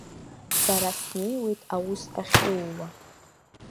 Сара снеиуеит аус ахьууа.